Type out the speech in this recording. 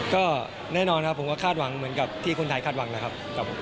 ก็แน่นอนครับผมก็คาดหวังเหมือนกับที่คนไทยคาดหวังนะครับ